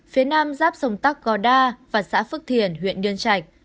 phía nam ráp sông tắc cò đa và xã phước thiền huyện điên trạch